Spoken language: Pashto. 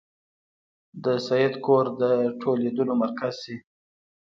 د سید کور د ټولېدلو مرکز شي.